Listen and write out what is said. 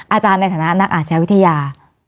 อาจารย์ในฐานะนักอาชญาวิทยา